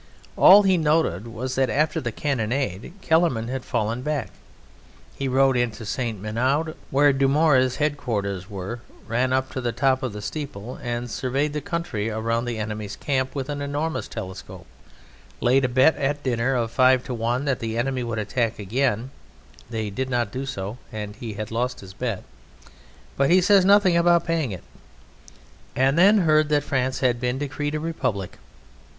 All he noted was that after the cannonade Kellermann had fallen back. He rode into St. Ménehould, where Dumouriez's head quarters were, ran up to the top of the steeple and surveyed the country around the enemy's camp with an enormous telescope, laid a bet at dinner of five to one that the enemy would attack again (they did not do so, and so he lost his bet, but he says nothing about paying it), and then heard that France had been decreed a Republic.